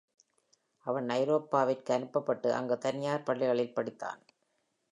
அவன் ஐரோப்பாவிற்கு அனுப்பபட்டு அங்கு தனியார் பள்ளிகளில் படித்தான்.